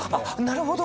なるほど。